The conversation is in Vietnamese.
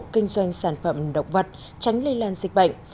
kinh doanh sản phẩm động vật tránh lây lan dịch bệnh